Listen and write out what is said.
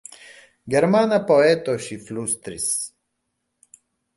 Germana poeto, ŝi flustris.